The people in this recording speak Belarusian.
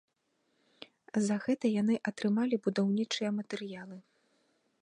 За гэта яны атрымалі будаўнічыя матэрыялы.